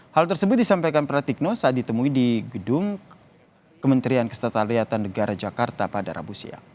hal tersebut disampaikan pratikno saat ditemui di gedung kementerian kesetaliatan negara jakarta pada rabu siang